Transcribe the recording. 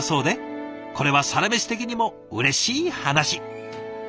これは「サラメシ」的にもうれしい話。